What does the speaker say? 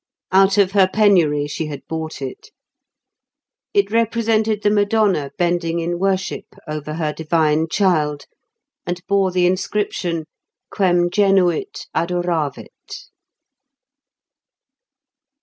Out of her penury she had bought it. It represented the Madonna bending in worship over her divine child, and bore the inscription: "_Quem genuit adoravit.